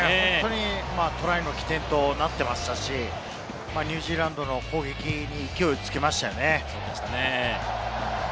トライの起点となっていましたし、ニュージーランドの攻撃に勢いをつけましたよね。